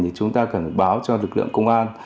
thì chúng ta cần phải báo cho lực lượng công an